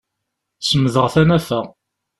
Semdeɣ tanafa.